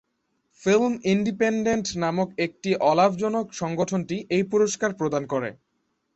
Film Independent নামক একটি অলাভজনক সংগঠনটি এই পুরস্কার প্রদান করে।